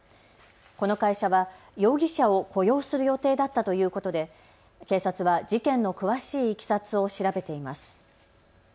この会社は容疑者を雇用する予定だったということで警察は事件の詳しいいきさつを調べています。